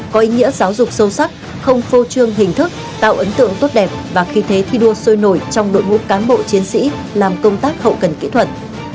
có ý nghĩa giáo dục sâu sắc không phô trương hình thức tạo ấn tượng tốt đẹp và khí thế thi đua sôi nổi trong đội ngũ cán bộ chiến sĩ làm công tác hậu cần kỹ thuật